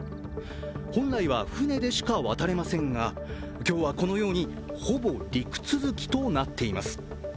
本来は船でしか渡れませんが今日はこのように、ほぼ陸続きとなっています。